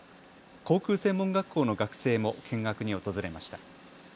航空専門学校の学生も見学に訪れました。